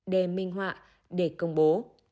để minh họa để công bố